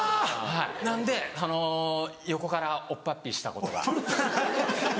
なんでその横からおっぱっぴーしたことが。